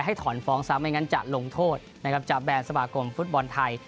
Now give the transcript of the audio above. ให้ถอนฟ้องซ้ำไม่งั้นจะลงโทษจากแบรนด์สมัครกรมฟุตบอลไทย